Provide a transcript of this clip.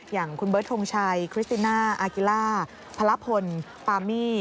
อย่างคุณเบิร์ดทงชัยคริสติน่าอากิล่าพระพลปามี่